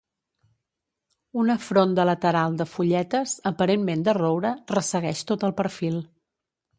Una fronda lateral de fulletes, aparentment de roure, ressegueix tot el perfil.